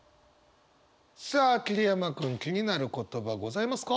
さあ桐山君気になる言葉ございますか？